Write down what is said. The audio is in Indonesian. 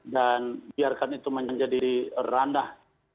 dan biarkan itu menjadi randah